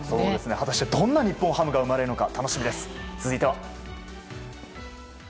果たしてどんな日本ハムが生まれるのか楽しみです。